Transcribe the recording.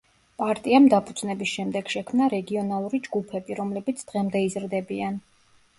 პარტიამ დაფუძნების შემდეგ შექმნა რეგიონალური ჯგუფები, რომლებიც დღემდე იზრდებიან.